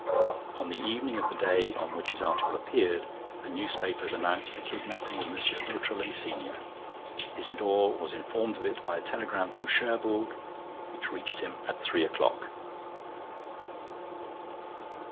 On the evening of the day on which his article appeared, the newspapers announced the kidnapping of M. Beautrelet, senior. Isidore was informed of it by a telegram from Cherbourg, which reached him at three o'clock.